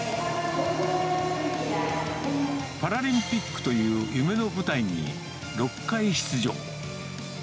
パラリンピックという夢の舞台に６回出場。